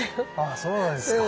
あそうなんですか。